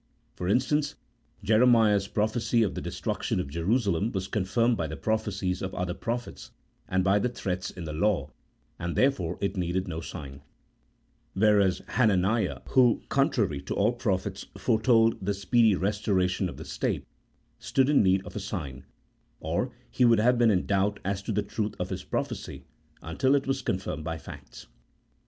For instance, Jeremiah's prophecy of the destruction of Jerusalem was confirmed by the prophecies of other prophets, and by the threats in the law, and, therefore, it needed no sign; whereas Hananiah, who, contrary to all the prophets, fore told the speedy restoration of the state, stood in need of a sign, or he would have been in doubt as to the truth of his prophecy, until it was confirmed by facts.